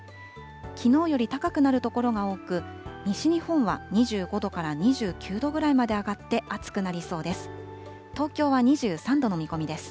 きのうより高くなる所が多く、西日本は２５度から２９度くらいまで上がって、暑くなりそうです。